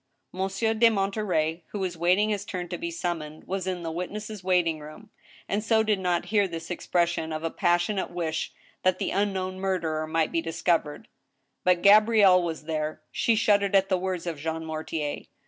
Monsieur de Monterey, who was waiting his turn to be sum moned, was in the witnesses' waiting room, and so did not hear this expression of a passionate wish that the unknown murderer might be discovered. But Gabrielle was there. She shuddered at the words of Jean Mortier.